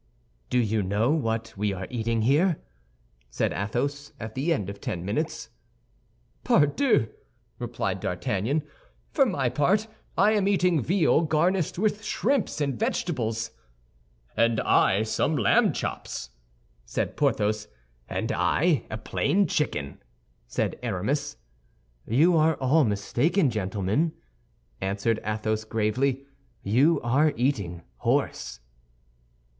"Do you know what we are eating here?" said Athos, at the end of ten minutes. "Pardieu!" replied D'Artagnan, "for my part, I am eating veal garnished with shrimps and vegetables." "And I some lamb chops," said Porthos. "And I a plain chicken," said Aramis. "You are all mistaken, gentlemen," answered Athos, gravely; "you are eating horse."